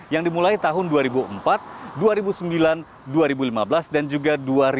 yang dimulai tahun dua ribu empat dua ribu sembilan dua ribu lima belas dan juga dua ribu dua puluh